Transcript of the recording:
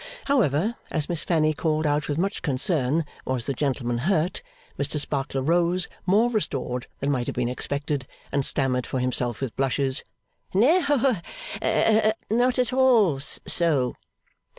However, as Miss Fanny called out with much concern, Was the gentleman hurt, Mr Sparkler rose more restored than might have been expected, and stammered for himself with blushes, 'Not at all so.